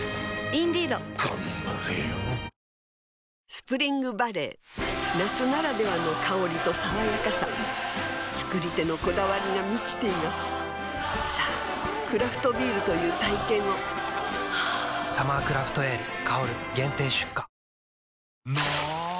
スプリングバレー夏ならではの香りと爽やかさ造り手のこだわりが満ちていますさぁクラフトビールという体験を「サマークラフトエール香」限定出荷の！